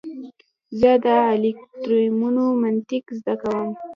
زه د الگوریتمونو منطق زده کوم.